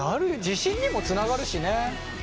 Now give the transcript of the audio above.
自信にもつながるしね。